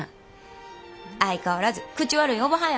相変わらず口悪いおばはんやな。